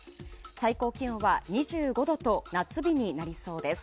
最高気温は２５度と夏日になりそうです。